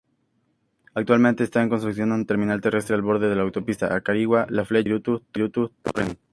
Actualmente está en construcción un terminal terrestre al borde la autopista Acarigua-La flecha-Píritu-Turen.